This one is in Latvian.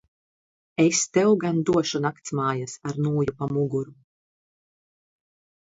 Es tev gan došu naktsmājas ar nūju pa muguru.